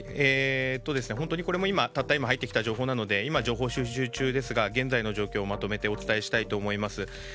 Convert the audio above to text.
本当にこれもたった今入ってきた情報なので今、情報収集中ですが現在の状況をまとめてお伝えします。